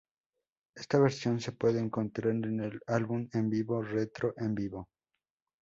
Esta versión se puede encontrar en el álbum en vivo Retro En Vivo.